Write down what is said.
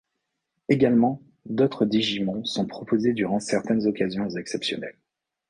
Également, d'autres digimon sont proposés durant certaines occasions exceptionnelles.